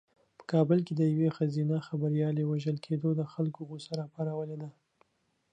په کابل کې د یوې ښځینه خبریالې وژل کېدو د خلکو غوسه راپارولې ده.